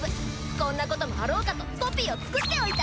こんなこともあろうかとコピーを作っておいた。